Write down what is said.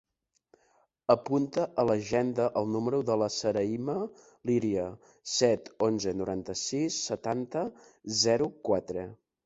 Apunta a l'agenda el número de la Sarayma Liria: set, onze, noranta-sis, setanta, zero, quatre.